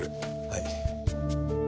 はい。